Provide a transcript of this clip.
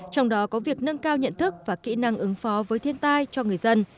trong đó có việc nâng cao nhận thức và kỹ năng ứng phó với thiên tai cho người dân